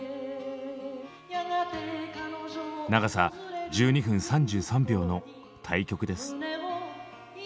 長さ１２分３３秒の大曲です。